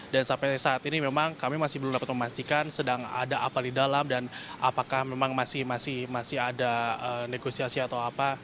dan sampai saat ini memang kami masih belum dapat memastikan sedang ada apa di dalam dan apakah memang masih ada negosiasi atau apa